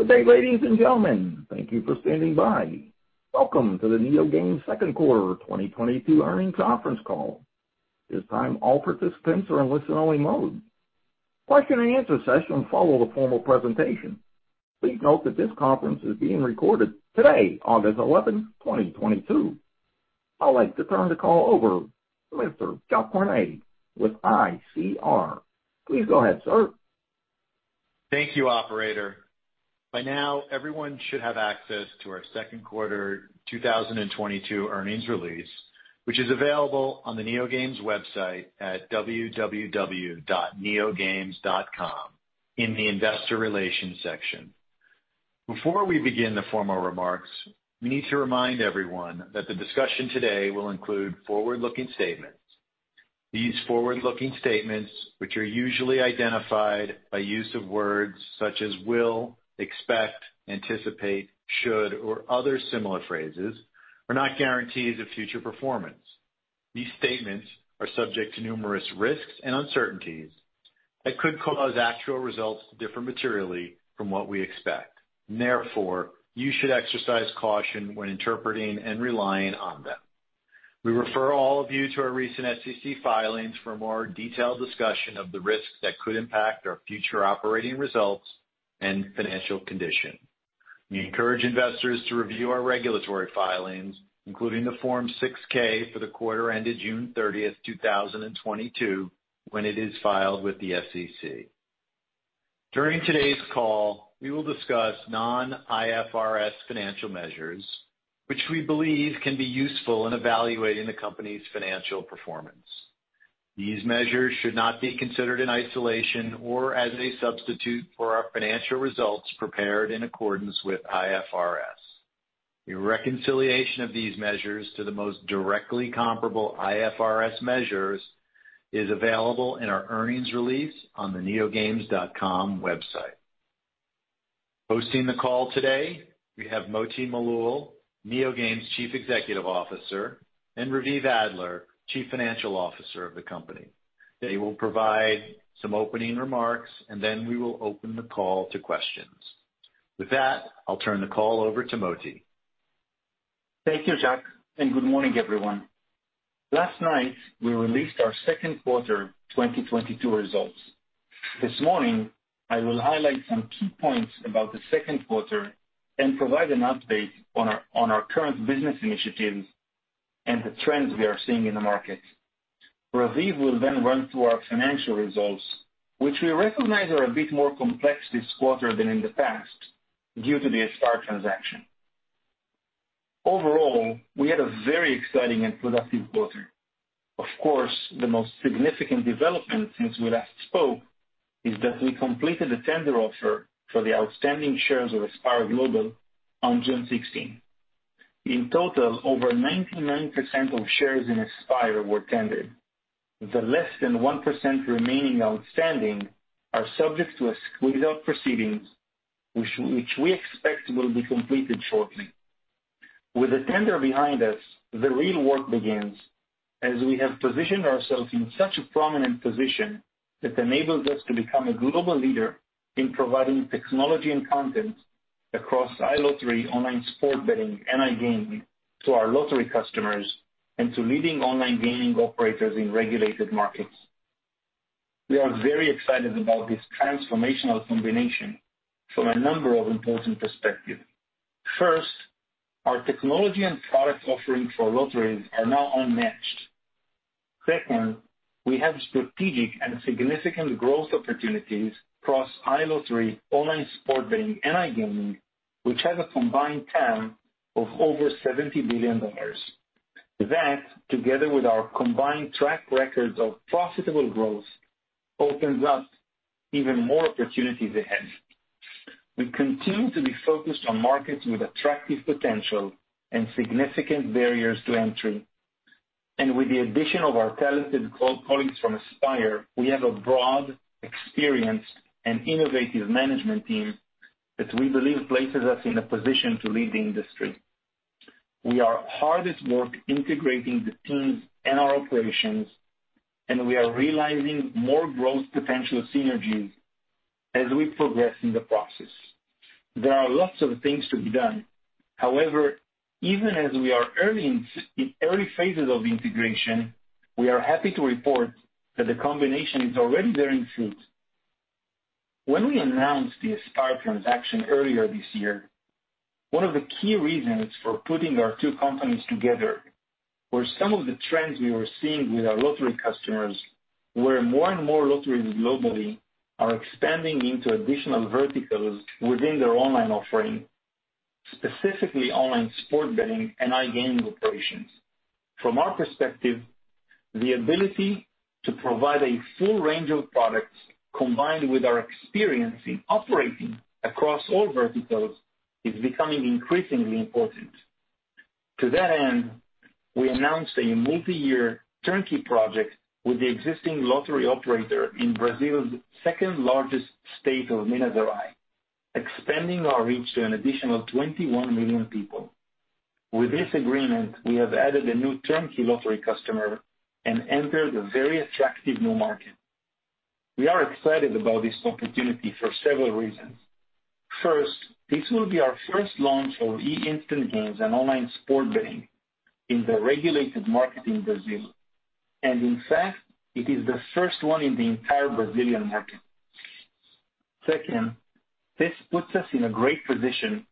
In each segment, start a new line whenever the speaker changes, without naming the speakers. Good day, ladies and gentlemen. Thank you for standing by. Welcome to the NeoGames Second Quarter 2022 earnings conference call. This time all participants are in listen-only mode. Question and answer session will follow the formal presentation. Please note that this conference is being recorded today, August 11, 2022. I'd like to turn the call over to Mr. Jacques Cornet with ICR. Please go ahead, sir.
Thank you, operator. By now, everyone should have access to our second quarter 2022 earnings release, which is available on the NeoGames website at www.neogames.com in the investor relations section. Before we begin the formal remarks, we need to remind everyone that the discussion today will include forward-looking statements. These forward-looking statements, which are usually identified by use of words such as will, expect, anticipate, should, or other similar phrases, are not guarantees of future performance. These statements are subject to numerous risks and uncertainties that could cause actual results to differ materially from what we expect. Therefore, you should exercise caution when interpreting and relying on them. We refer all of you to our recent SEC filings for a more detailed discussion of the risks that could impact our future operating results and financial condition. We encourage investors to review our regulatory filings, including the Form 6-K for the quarter ended June 30, 2022, when it is filed with the SEC. During today's call, we will discuss non-IFRS financial measures which we believe can be useful in evaluating the company's financial performance. These measures should not be considered in isolation or as a substitute for our financial results prepared in accordance with IFRS. A reconciliation of these measures to the most directly comparable IFRS measures is available in our earnings release on the neogames.com website. Hosting the call today we have Moti Malul, NeoGames Chief Executive Officer, and Raviv Adler, Chief Financial Officer of the company. They will provide some opening remarks, and then we will open the call to questions. With that, I'll turn the call over to Moti.
Thank you, Jack, and good morning, everyone. Last night, we released our second quarter 2022 results. This morning, I will highlight some key points about the second quarter and provide an update on our current business initiatives and the trends we are seeing in the market. Raviv will then run through our financial results, which we recognize are a bit more complex this quarter than in the past due to the Aspire transaction. Overall, we had a very exciting and productive quarter. Of course, the most significant development since we last spoke is that we completed the tender offer for the outstanding shares of Aspire Global on June sixteenth. In total, over 99% of shares in Aspire were tendered. The less than 1% remaining outstanding are subject to a squeeze-out proceedings, which we expect will be completed shortly. With the tender behind us, the real work begins as we have positioned ourselves in such a prominent position that enables us to become a global leader in providing technology and content across iLottery, online sports betting, and iGaming to our lottery customers and to leading online gaming operators in regulated markets. We are very excited about this transformational combination from a number of important perspectives. First, our technology and product offerings for lotteries are now unmatched. Second, we have strategic and significant growth opportunities across iLottery, online sports betting, and iGaming, which has a combined TAM of over $70 billion. That, together with our combined track records of profitable growth, opens up even more opportunities ahead. We continue to be focused on markets with attractive potential and significant barriers to entry. With the addition of our talented colleagues from Aspire, we have a broad experience and innovative management team that we believe places us in a position to lead the industry. We are hard at work integrating the teams and our operations, and we are realizing more growth potential synergies as we progress in the process. There are lots of things to be done. However, even as we are early in early phases of integration, we are happy to report that the combination is already bearing fruit. When we announced the Aspire transaction earlier this year, one of the key reasons for putting our two companies together were some of the trends we were seeing with our lottery customers, where more and more lotteries globally are expanding into additional verticals within their online offering, specifically online sports betting and iGaming operations. From our perspective, the ability to provide a full range of products combined with our experience in operating across all verticals is becoming increasingly important. To that end, we announced a multi-year turnkey project with the existing lottery operator in Brazil's second-largest state of Minas Gerais. Expanding our reach to an additional 21 million people. With this agreement, we have added a new turnkey lottery customer and entered a very attractive new market. We are excited about this opportunity for several reasons. First, this will be our first launch of eInstant games and online sports betting in the regulated market in Brazil, and in fact, it is the first one in the entire Brazilian market. Second, this puts us in a great position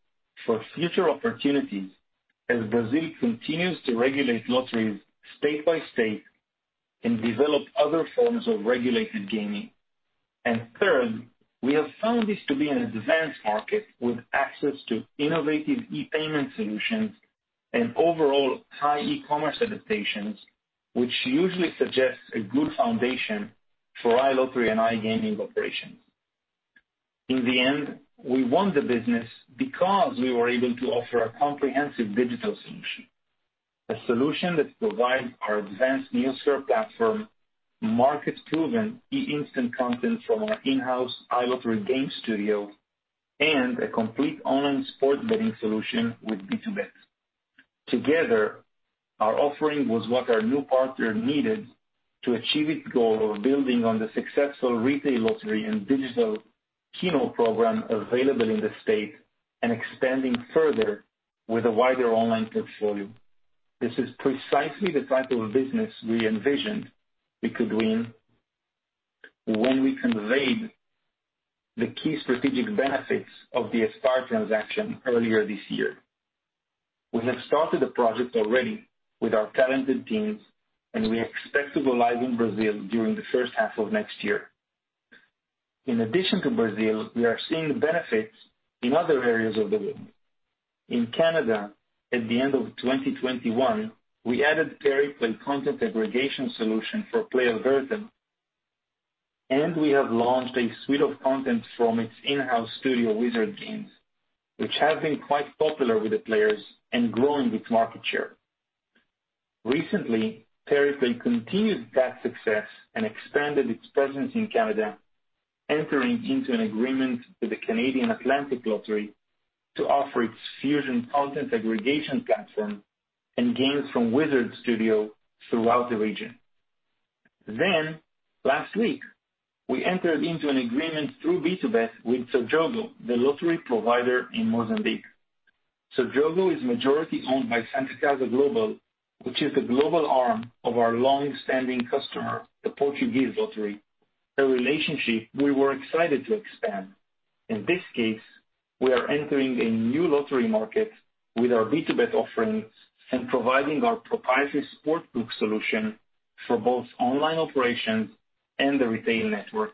for future opportunities as Brazil continues to regulate lotteries state by state and develop other forms of regulated gaming. Third, we have found this to be an advanced market with access to innovative e-payment solutions and overall high e-commerce adaptations, which usually suggests a good foundation for iLottery and iGaming operations. In the end, we won the business because we were able to offer a comprehensive digital solution, a solution that provides our advanced NeoSphere platform, market proven eInstant content from our in-house iLottery game studio, and a complete online sports betting solution with BtoBet. Together, our offering was what our new partner needed to achieve its goal of building on the successful retail lottery and digital Keno program available in the state and expanding further with a wider online portfolio. This is precisely the type of business we envisioned we could win when we conveyed the key strategic benefits of the Aspire transaction earlier this year. We have started the project already with our talented teams, and we expect to go live in Brazil during the first half of next year. In addition to Brazil, we are seeing the benefits in other areas of the world. In Canada, at the end of 2021, we added Pariplay content aggregation solution for PlayAlberta, and we have launched a suite of content from its in-house studio, Wizard Games, which have been quite popular with the players and growing its market share. Recently, Pariplay continued that success and expanded its presence in Canada, entering into an agreement with the Atlantic Lottery Corporation to offer its Fusion content aggregation platform and games from Wizard Games studio throughout the region. Last week, we entered into an agreement through BtoBet with Sojogo, the lottery provider in Mozambique. Sojogo is majority owned by Santa Casa Global, which is the global arm of our long-standing customer, the Portuguese Lottery, a relationship we were excited to expand. In this case, we are entering a new lottery market with our BtoBet offerings and providing our proprietary sportsbook solution for both online operations and the retail network.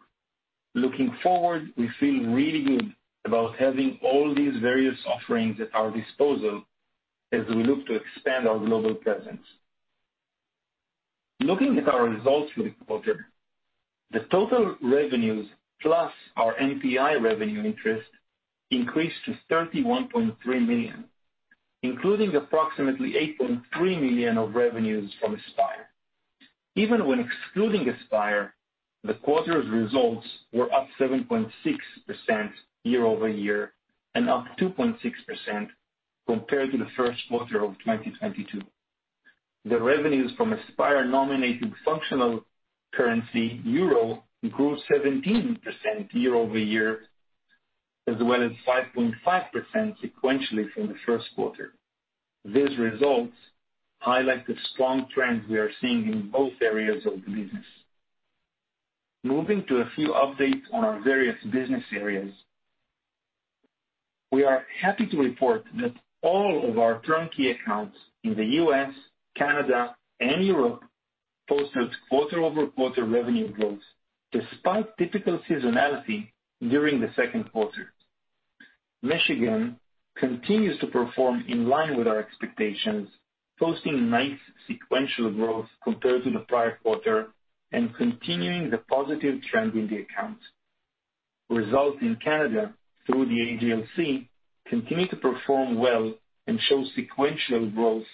Looking forward, we feel really good about having all these various offerings at our disposal as we look to expand our global presence. Looking at our results for the quarter, the total revenues plus our NPI revenue interest increased to $31.3 million, including approximately $8.3 million of revenues from Aspire. Even when excluding Aspire, the quarter's results were up 7.6% year-over-year and up 2.6% compared to the first quarter of 2022. The revenues from Aspire nominated functional currency euro grew 17% year-over-year, as well as 5.5% sequentially from the first quarter. These results highlight the strong trends we are seeing in both areas of the business. Moving to a few updates on our various business areas. We are happy to report that all of our turnkey accounts in the U.S., Canada, and Europe posted quarter-over-quarter revenue growth despite difficult seasonality during the second quarter. Michigan continues to perform in line with our expectations, posting nice sequential growth compared to the prior quarter and continuing the positive trend in the account. Results in Canada through the AGLC continue to perform well and show sequential growth,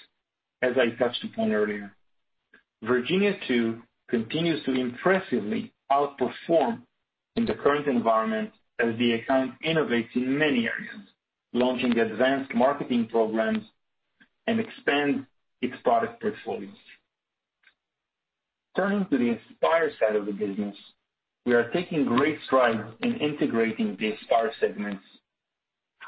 as I touched upon earlier. Virginia too continues to impressively outperform in the current environment as the account innovates in many areas, launching advanced marketing programs and expands its product portfolios. Turning to the Aspire side of the business, we are taking great strides in integrating the Aspire segments.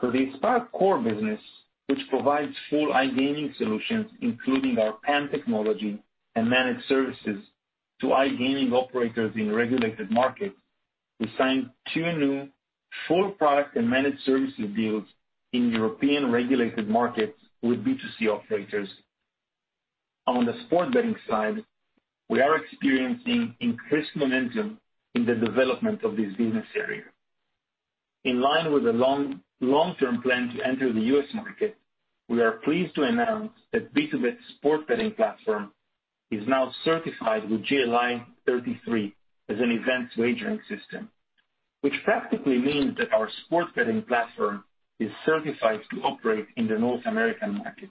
For the Aspire core business, which provides full iGaming solutions, including our PAM technology and managed services to iGaming operators in regulated markets, we signed two new full product and managed services deals in European regulated markets with B2C operators. On the sports betting side, we are experiencing increased momentum in the development of this business area. In line with a long-term plan to enter the US market, we are pleased to announce that BtoBet sports betting platform is now certified with GLI-33 as an events wagering system, which practically means that our sports betting platform is certified to operate in the North American market.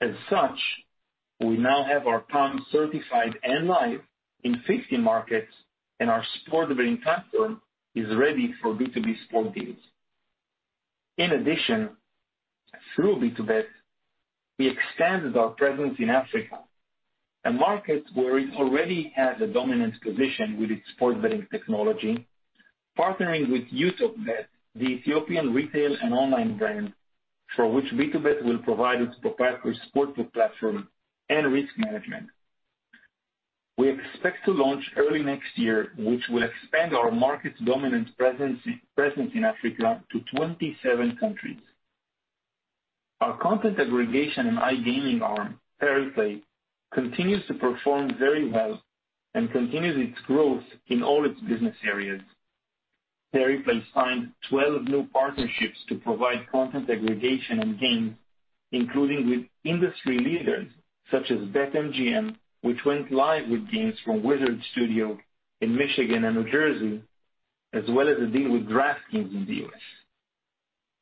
As such, we now have our PAM certified and live in 15 markets, and our sports betting platform is ready for B2B sports deals. In addition, through BtoBet, we extended our presence in Africa, a market where it already has a dominant position with its sports betting technology, partnering with EthioBet, the Ethiopian retail and online brand, for which BtoBet will provide its proprietary sports book platform and risk management. We expect to launch early next year, which will expand our market dominance presence in Africa to 27 countries. Our content aggregation and iGaming arm, Pariplay, continues to perform very well and continues its growth in all its business areas. Pariplay signed 12 new partnerships to provide content aggregation and games, including with industry leaders such as BetMGM, which went live with games from Wizard Games in Michigan and New Jersey, as well as a deal with DraftKings in the U.S..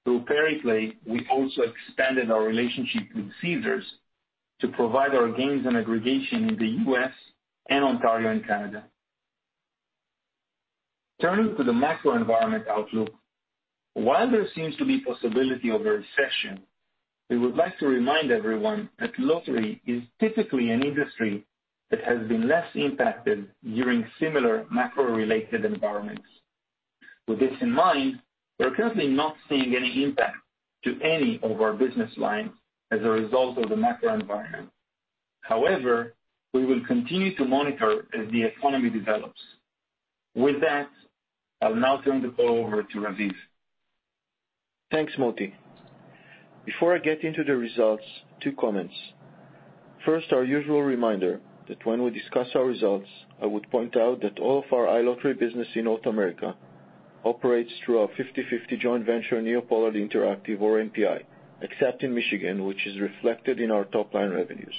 Through Pariplay, we also expanded our relationship with Caesars to provide our games and aggregation in the U.S. and Ontario and Canada. Turning to the macro environment outlook, while there seems to be possibility of a recession, we would like to remind everyone that lottery is typically an industry that has been less impacted during similar macro-related environments. With this in mind, we're currently not seeing any impact to any of our business lines as a result of the macro environment. However, we will continue to monitor as the economy develops. With that, I'll now turn the call over to Raviv.
Thanks, Moti. Before I get into the results, two comments. First, our usual reminder that when we discuss our results, I would point out that all of our iLottery business in North America operates through our 50/50 joint venture, NeoPollard Interactive, or NPI, except in Michigan, which is reflected in our top line revenues.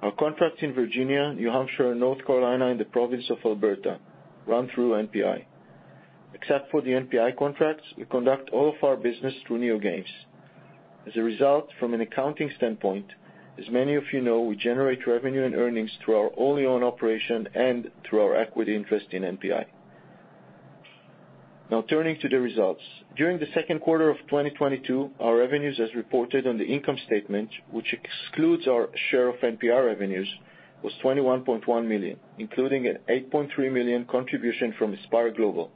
Our contracts in Virginia, New Hampshire, North Carolina, and the province of Alberta run through NPI. Except for the NPI contracts, we conduct all of our business through NeoGames. As a result, from an accounting standpoint, as many of you know, we generate revenue and earnings through our wholly owned operation and through our equity interest in NPI. Now turning to the results. During the second quarter of 2022, our revenues as reported on the income statement, which excludes our share of NPI revenues, was $21.1 million, including an $8.3 million contribution from Aspire Global,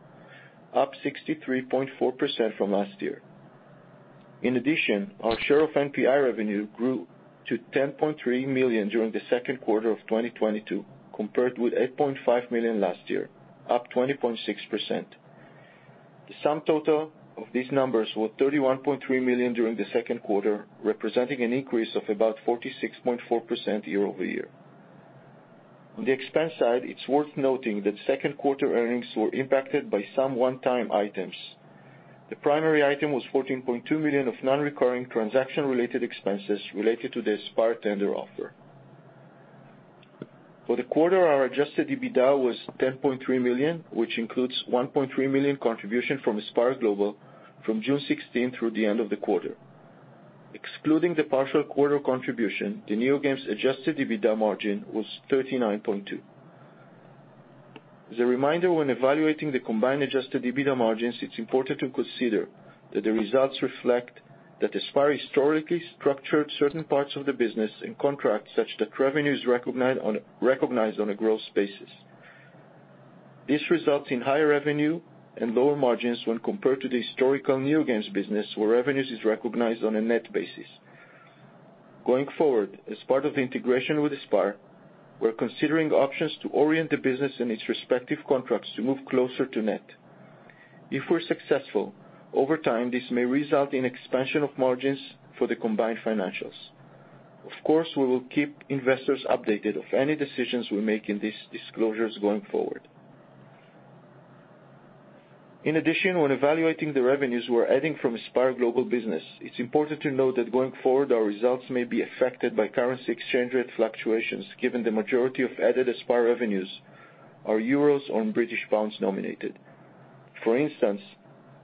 up 63.4% from last year. In addition, our share of NPI revenue grew to $10.3 million during the second quarter of 2022, compared with $8.5 million last year, up 20.6%. The sum total of these numbers were $31.3 million during the second quarter, representing an increase of about 46.4% year-over-year. On the expense side, it's worth noting that second quarter earnings were impacted by some one-time items. The primary item was $14.2 million of non-recurring transaction related expenses related to the Aspire tender offer. For the quarter, our adjusted EBITDA was $10.3 million, which includes $1.3 million contribution from Aspire Global from June 16 through the end of the quarter. Excluding the partial quarter contribution, the NeoGames adjusted EBITDA margin was 39.2%. As a reminder, when evaluating the combined adjusted EBITDA margins, it's important to consider that the results reflect that Aspire historically structured certain parts of the business and contracts such that revenue is recognized on a gross basis. This results in higher revenue and lower margins when compared to the historical NeoGames business, where revenues is recognized on a net basis. Going forward, as part of the integration with Aspire, we're considering options to orient the business and its respective contracts to move closer to net. If we're successful, over time, this may result in expansion of margins for the combined financials. Of course, we will keep investors updated of any decisions we make in these disclosures going forward. In addition, when evaluating the revenues we're adding from Aspire Global business, it's important to note that going forward, our results may be affected by currency exchange rate fluctuations, given the majority of added Aspire revenues are euros on British pounds nominated. For instance,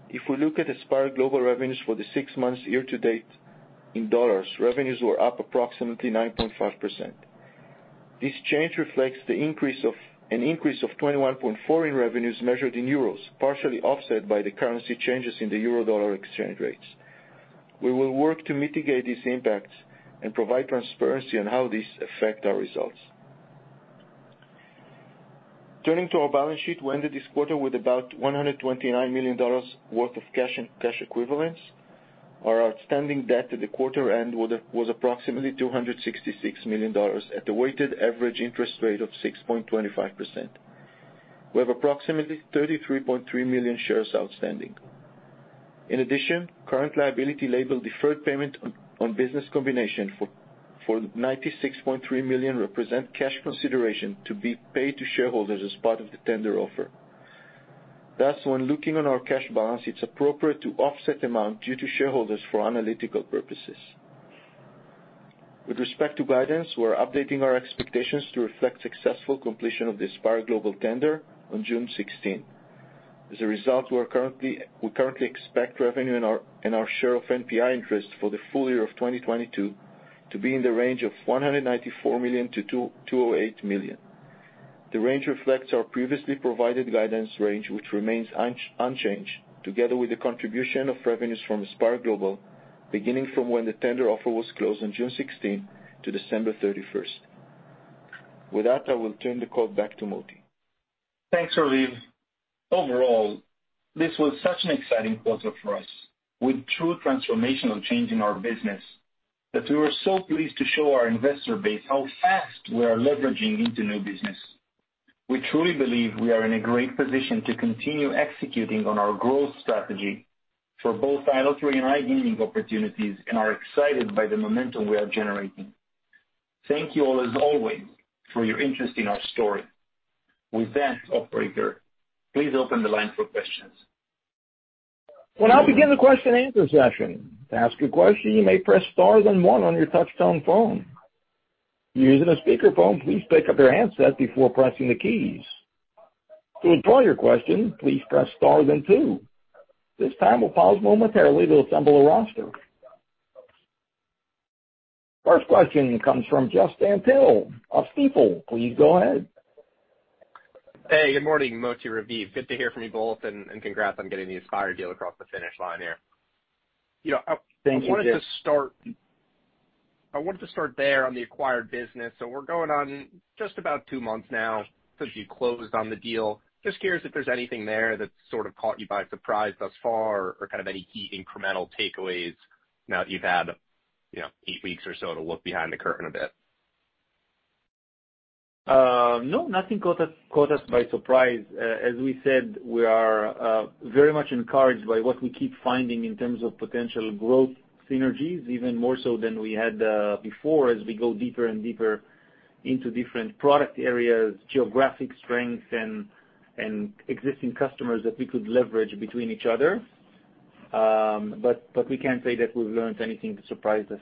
if we look at Aspire Global revenues for the six months year to date in dollars, revenues were up approximately 9.5%. This change reflects an increase of 21.4 in revenues measured in euros, partially offset by the currency changes in the euro dollar exchange rates. We will work to mitigate these impacts and provide transparency on how these affect our results. Turning to our balance sheet, we ended this quarter with about $129 million worth of cash and cash equivalents. Our outstanding debt at the quarter end was approximately $266 million, at a weighted average interest rate of 6.25%. We have approximately 33.3 million shares outstanding. In addition, current liability labeled deferred payment on business combination for $96.3 million represents cash consideration to be paid to shareholders as part of the tender offer. Thus, when looking on our cash balance, it's appropriate to offset amount due to shareholders for analytical purposes. With respect to guidance, we're updating our expectations to reflect successful completion of the Aspire Global tender on June sixteenth. As a result, we currently expect revenue in our share of NPI interest for the full year of 2022 to be in the range of $194 million-$208 million. The range reflects our previously provided guidance range, which remains unchanged, together with the contribution of revenues from Aspire Global, beginning from when the tender offer was closed on June sixteenth to December 31st. With that, I will turn the call back to Moti.
Thanks, Raviv. Overall, this was such an exciting quarter for us, with true transformational change in our business that we were so pleased to show our investor base how fast we are leveraging into new business. We truly believe we are in a great position to continue executing on our growth strategy for both iLottery and iGaming opportunities and are excited by the momentum we are generating. Thank you all as always for your interest in our story. With that, operator, please open the line for questions.
We now begin the question and answer session. To ask a question, you may press star then one on your touchtone phone. If you're using a speakerphone, please pick up your handset before pressing the keys. To withdraw your question, please press star then two. This time we'll pause momentarily to assemble a roster. First question comes from Jeffrey Stantial of Stifel. Please go ahead.
Hey, good morning, Moti, Raviv. Good to hear from you both and congrats on getting the Aspire deal across the finish line here.
Thank you, Jeff.
You know, I wanted to start there on the acquired business. We're going on just about two months now since you closed on the deal. Just curious if there's anything there that sort of caught you by surprise thus far or kind of any key incremental takeaways now that you've had, you know, eight weeks or so to look behind the curtain a bit?
No, nothing caught us by surprise. As we said, we are very much encouraged by what we keep finding in terms of potential growth synergies, even more so than we had before as we go deeper and deeper into different product areas, geographic strengths and existing customers that we could leverage between each other. But we can't say that we've learned anything to surprise us.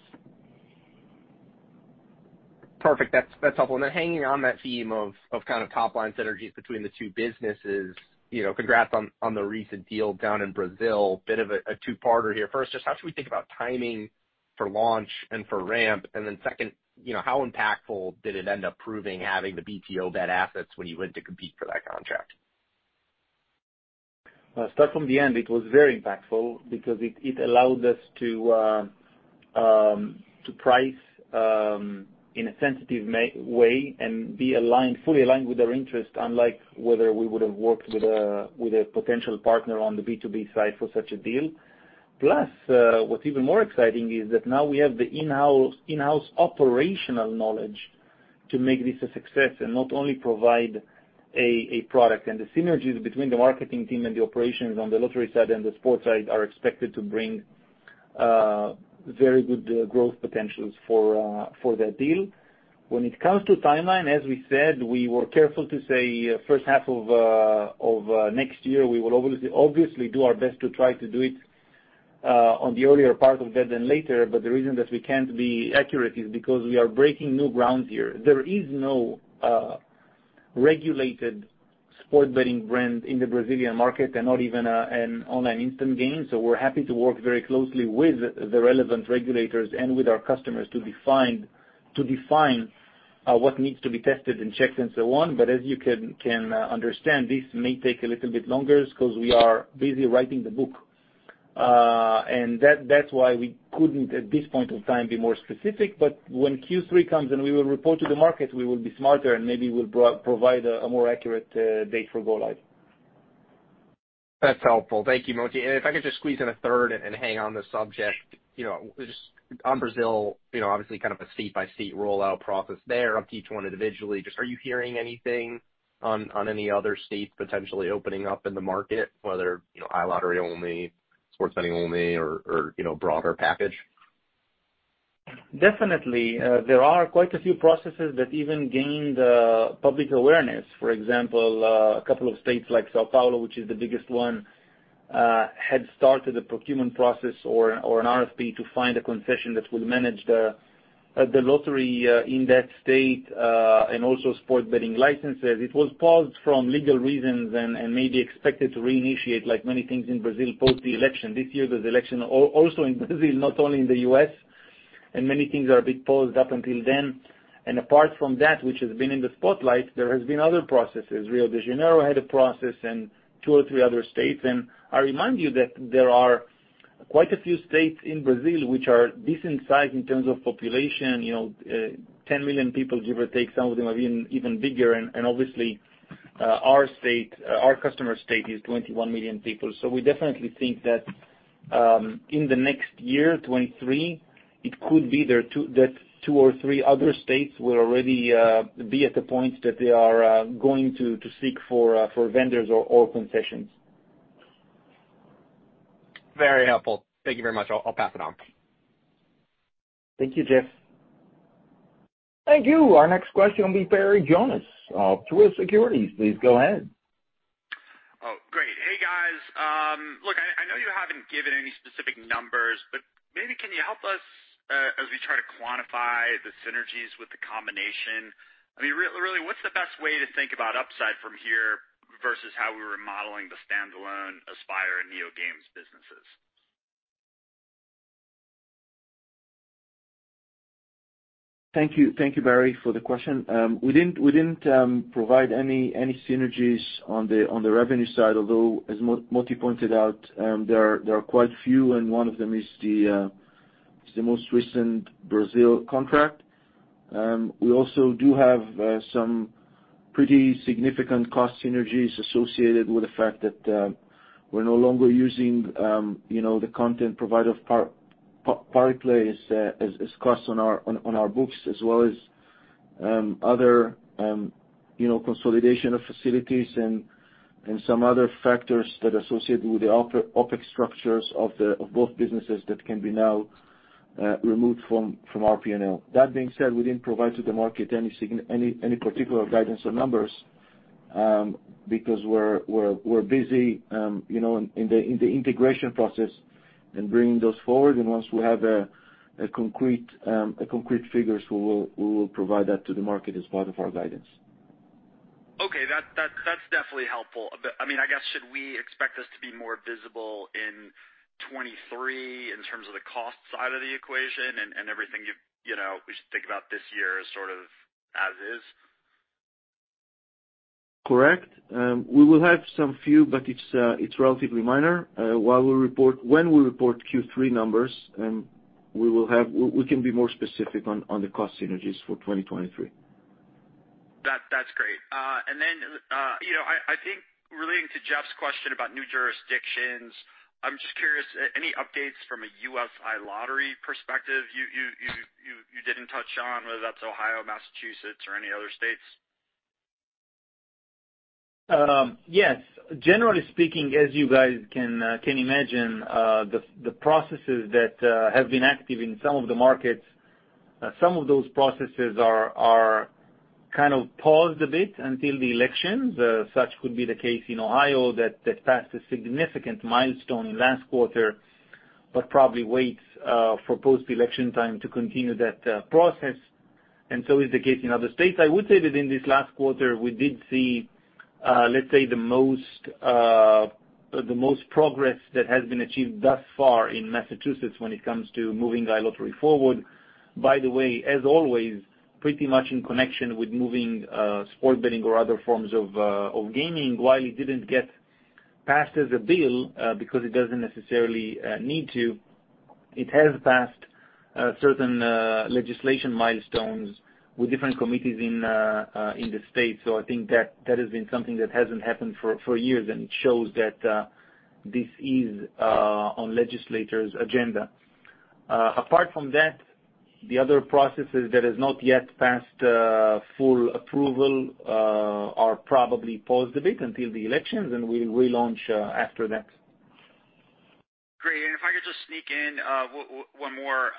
Perfect. That's helpful. Then hanging on that theme of kind of top-line synergies between the two businesses, you know, congrats on the recent deal down in Brazil. Bit of a two-parter here. First, just how should we think about timing for launch and for ramp? Then second, you know, how impactful did it end up proving having the BtoBet assets when you went to compete for that contract?
I'll start from the end. It was very impactful because it allowed us to price in a sensitive manner and be aligned, fully aligned with our interest, unlike if we would have worked with a potential partner on the B2B side for such a deal. Plus, what's even more exciting is that now we have the in-house operational knowledge to make this a success and not only provide a product. The synergies between the marketing team and the operations on the lottery side and the sports side are expected to bring very good growth potentials for that deal. When it comes to timeline, as we said, we were careful to say first half of next year, we will obviously do our best to try to do it on the earlier part of that than later. The reason that we can't be accurate is because we are breaking new ground here. There is no regulated sports betting brand in the Brazilian market and not even an online instant game. We're happy to work very closely with the relevant regulators and with our customers to define what needs to be tested and checked and so on. As you can understand, this may take a little bit longer because we are busy writing the book. That's why we couldn't, at this point in time, be more specific. When Q3 comes and we will report to the market, we will be smarter and maybe we'll provide a more accurate date for go live.
That's helpful. Thank you, Moti. If I could just squeeze in a third and hang on the subject. You know, just on Brazil, you know, obviously kind of a state-by-state rollout process there up to each one individually. Just are you hearing anything on any other state potentially opening up in the market, whether, you know, iLottery only, sports betting only or you know, broader package?
Definitely. There are quite a few processes that even gained public awareness. For example, a couple of states like São Paulo, which is the biggest one, had started a procurement process or an RFP to find a concession that will manage the lottery in that state and also sports betting licenses. It was paused for legal reasons and may be expected to reinitiate, like many things in Brazil, post the election. This year there's election also in Brazil, not only in the U.S., and many things are a bit paused up until then. Apart from that, which has been in the spotlight, there has been other processes. Rio de Janeiro had a process and two or three other states. I remind you that there are quite a few states in Brazil which are decent size in terms of population, you know, 10 million people, give or take. Some of them are even bigger. Our customer state is 21 million people. We definitely think that in the next year, 2023, it could be that two or three other states will already be at the point that they are going to seek for vendors or concessions.
Very helpful. Thank you very much. I'll pass it on.
Thank you, Jeff.
Thank you. Our next question will be Barry Jonas of Truist Securities. Please go ahead.
Oh, great. Hey, guys. You haven't given any specific numbers, but maybe can you help us as we try to quantify the synergies with the combination? I mean, really, what's the best way to think about upside from here versus how we were modeling the standalone Aspire and NeoGames businesses?
Thank you. Thank you, Barry, for the question. We didn't provide any synergies on the revenue side, although as Moti pointed out, there are quite a few, and one of them is the most recent Brazil contract. We also do have some pretty significant cost synergies associated with the fact that we're no longer using, you know, the content provider of Pariplay as cost on our books as well as other, you know, consolidation of facilities and some other factors that are associated with the OpEx structures of both businesses that can be now removed from our P&L. That being said, we didn't provide to the market any particular guidance or numbers, because we're busy, you know, in the integration process and bringing those forward. Once we have a concrete figures, we will provide that to the market as part of our guidance.
Okay. That's definitely helpful. I mean, I guess should we expect this to be more visible in 2023 in terms of the cost side of the equation and everything you've, you know, we should think about this year as sort of as is?
Correct. We will have some few, but it's relatively minor. When we report Q3 numbers, we can be more specific on the cost synergies for 2023.
That, that's great. You know, I think relating to Jeff's question about new jurisdictions, I'm just curious, any updates from a U.S. iLottery perspective? You didn't touch on whether that's Ohio, Massachusetts, or any other states?
Yes. Generally speaking, as you guys can imagine, the processes that have been active in some of the markets, some of those processes are kind of paused a bit until the elections. Such could be the case in Ohio that passed a significant milestone last quarter, but probably waits for post-election time to continue that process, and so is the case in other states. I would say that in this last quarter, we did see, let's say, the most progress that has been achieved thus far in Massachusetts when it comes to moving iLottery forward. By the way, as always, pretty much in connection with moving sports betting or other forms of gaming, while it didn't get passed as a bill, because it doesn't necessarily need to, it has passed certain legislation milestones with different committees in the state. I think that has been something that hasn't happened for years, and it shows that this is on legislators' agenda. Apart from that, the other processes that has not yet passed full approval are probably paused a bit until the elections, and we'll relaunch after that.
Great. If I could just sneak in one more.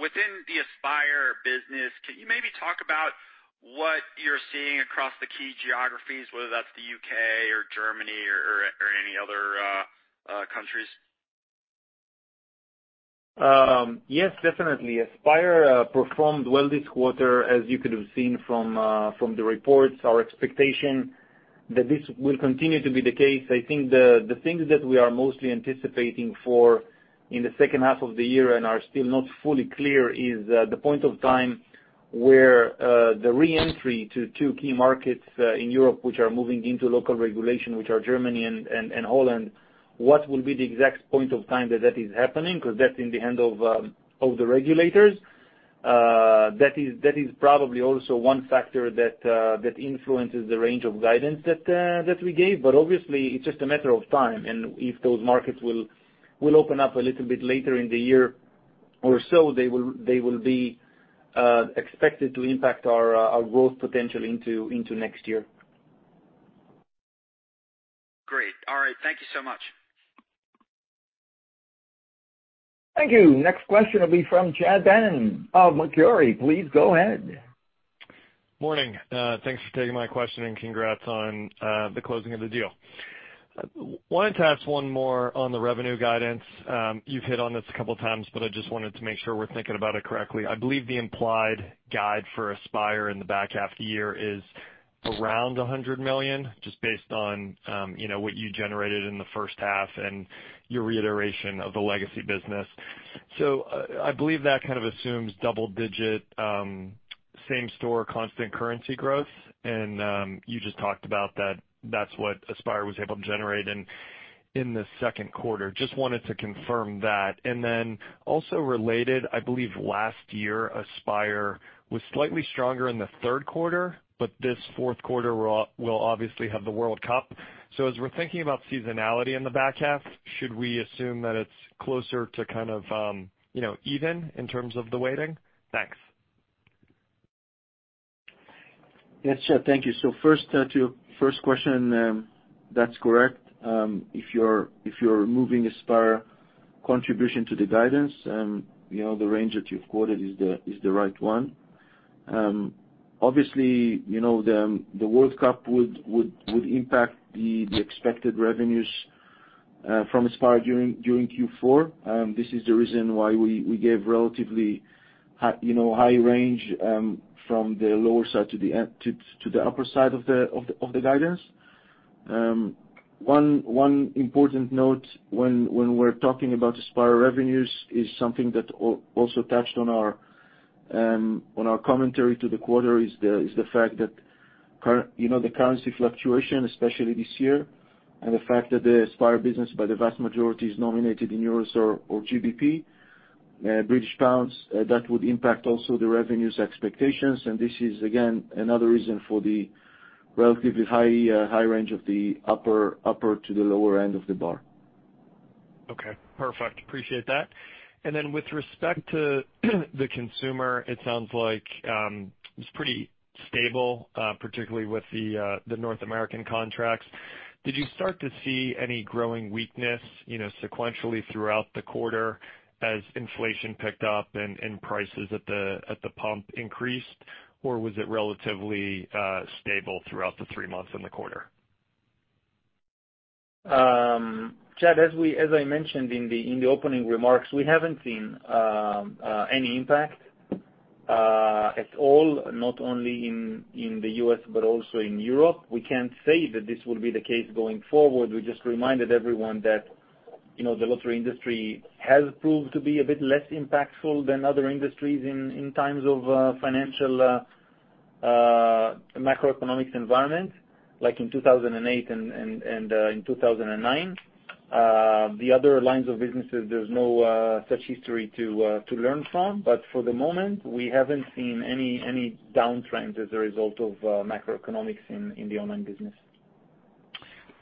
Within the Aspire business, can you maybe talk about what you're seeing across the key geographies, whether that's the UK or Germany or any other countries?
Yes, definitely. Aspire performed well this quarter, as you could have seen from the reports. Our expectation that this will continue to be the case. I think the things that we are mostly anticipating for in the second half of the year and are still not fully clear is the point of time where the reentry to two key markets in Europe, which are moving into local regulation, which are Germany and Holland, what will be the exact point of time that that is happening, because that's in the hand of the regulators. That is probably also one factor that influences the range of guidance that we gave. Obviously, it's just a matter of time. If those markets will open up a little bit later in the year or so, they will be expected to impact our growth potential into next year.
Great. All right. Thank you so much.
Thank you. Next question will be from Chad Beynon of Macquarie. Please go ahead.
Morning. Thanks for taking my question, and congrats on the closing of the deal. Wanted to ask one more on the revenue guidance. You've hit on this a couple times, but I just wanted to make sure we're thinking about it correctly. I believe the implied guide for Aspire in the back half of the year is around 100 million, just based on you know, what you generated in the first half and your reiteration of the legacy business. I believe that kind of assumes double digit same store constant currency growth. You just talked about that that's what Aspire was able to generate in the second quarter. Just wanted to confirm that. Also related, I believe last year, Aspire was slightly stronger in the third quarter, but this fourth quarter will obviously have the World Cup. As we're thinking about seasonality in the back half, should we assume that it's closer to kind of even in terms of the weighting? Thanks.
Yes, Chad, thank you. First, to your first question, that's correct. If you're moving Aspire contribution to the guidance, you know, the range that you've quoted is the right one. Obviously, you know, the World Cup would impact the expected revenues from Aspire during Q4. This is the reason why we gave relatively high range from the lower side to the upper side of the guidance. One important note when we're talking about Aspire revenues is something that also touched on our on our commentary to the quarter is the fact that you know, the currency fluctuation, especially this year, and the fact that the Aspire business by the vast majority is nominated in euros or GBP, British pounds, that would impact also the revenues expectations. This is again another reason for the relatively high range of the upper to the lower end of the bar.
Okay, perfect. Appreciate that. Then with respect to the consumer, it sounds like it's pretty stable, particularly with the North American contracts. Did you start to see any growing weakness, you know, sequentially throughout the quarter as inflation picked up and prices at the pump increased? Or was it relatively stable throughout the three months in the quarter?
Chad, as I mentioned in the opening remarks, we haven't seen any impact at all, not only in the U.S., but also in Europe. We can't say that this will be the case going forward. We just reminded everyone that, you know, the lottery industry has proved to be a bit less impactful than other industries in times of financial macroeconomic environment like in 2008 and in 2009. The other lines of businesses, there's no such history to learn from, but for the moment, we haven't seen any downtrend as a result of macroeconomics in the online business.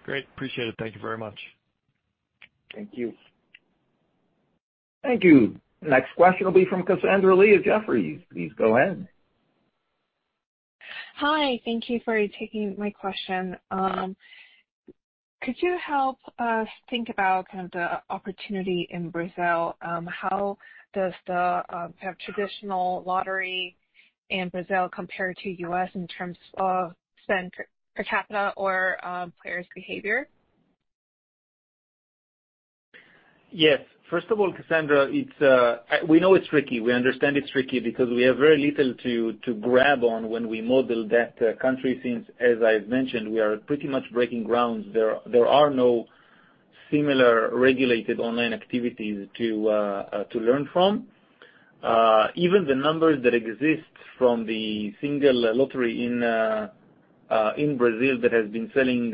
Great. Appreciate it. Thank you very much.
Thank you.
Thank you. Next question will be from Cassandra Lee of Jefferies. Please go ahead.
Hi. Thank you for taking my question. Could you help us think about kind of the opportunity in Brazil? How does the traditional lottery in Brazil compare to U.S. in terms of spend per capita or players' behavior?
Yes. First of all, Cassandra, it's we know it's tricky. We understand it's tricky because we have very little to grab on when we model that country since, as I've mentioned, we are pretty much breaking ground. There are no similar regulated online activities to learn from. Even the numbers that exist from the single lottery in Brazil that has been selling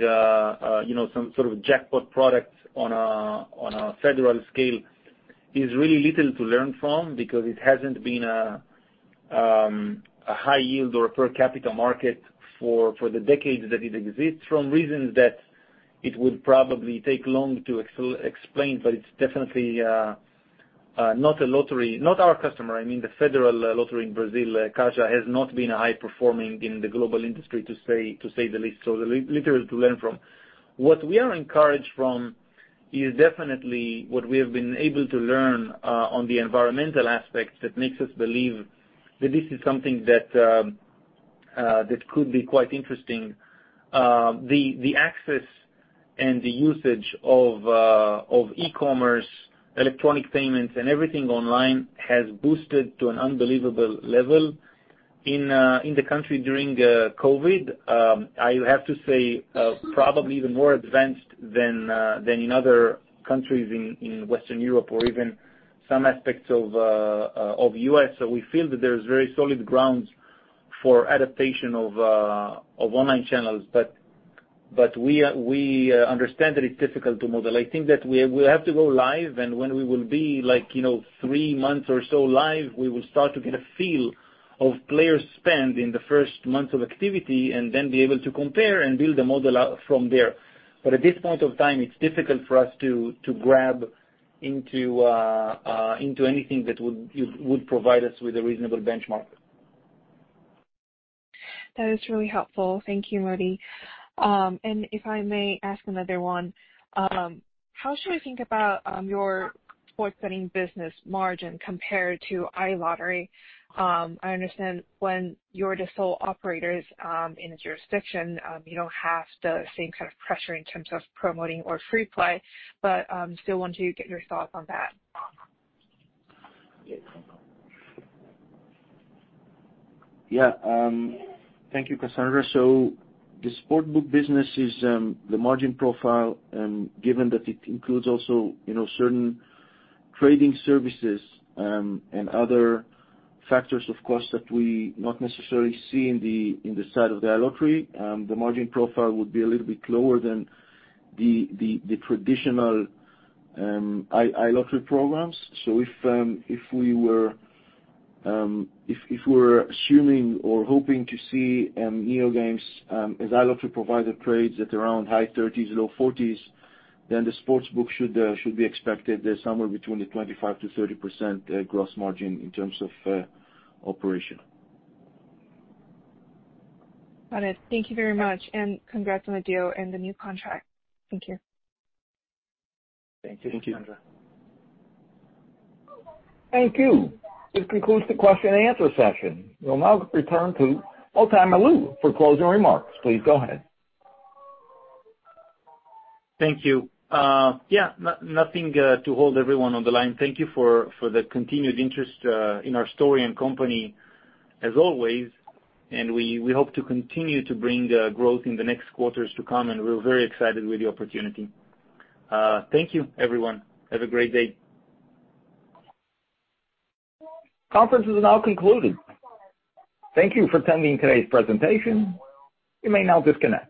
you know some sort of jackpot product on a federal scale is really little to learn from because it hasn't been a high yield or a per capita market for the decades that it exists from reasons that it would probably take long to explain, but it's definitely not a lottery. Not our customer. I mean the federal lottery in Brazil, Caixa, has not been high performing in the global industry, to say the least, so little to learn from. What we are encouraged from is definitely what we have been able to learn on the environmental aspects that makes us believe that this is something that could be quite interesting. The access and the usage of e-commerce, electronic payments, and everything online has boosted to an unbelievable level in the country during COVID. I have to say, probably even more advanced than in other countries in Western Europe or even some aspects of U.S. We feel that there's very solid grounds for adaptation of online channels. We understand that it's difficult to model. I think that we have to go live, and when we will be, like, you know, three months or so live, we will start to get a feel of players' spend in the first month of activity and then be able to compare and build a model out from there. At this point of time, it's difficult for us to grab into into anything that would provide us with a reasonable benchmark.
That is truly helpful. Thank you, Moti. If I may ask another one. How should we think about your sports betting business margin compared to iLottery? I understand when you're the sole operators in a jurisdiction, you don't have the same kind of pressure in terms of promoting or free play, but still want to get your thoughts on that.
Yeah. Thank you, Cassandra. The sports book business is the margin profile, given that it includes also, you know, certain trading services, and other factors, of course, that we not necessarily see in the side of the iLottery. The margin profile would be a little bit lower than the traditional iLottery programs. If we're assuming or hoping to see NeoGames as iLottery provider trades at around high thirties, low forties, then the sports book should be expected somewhere between the 25%-30% gross margin in terms of operation.
Got it. Thank you very much, and congrats on the deal and the new contract. Thank you.
Thank you, Cassandra.
Thank you. This concludes the question and answer session. We'll now return to Moti Malul for closing remarks. Please go ahead.
Thank you. Nothing to hold everyone on the line. Thank you for the continued interest in our story and company as always. We hope to continue to bring the growth in the next quarters to come. We're very excited with the opportunity. Thank you everyone. Have a great day.
Conference is now concluded. Thank you for attending today's presentation. You may now disconnect.